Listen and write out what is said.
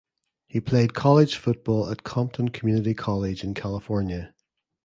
He played college football at Compton Community College in California.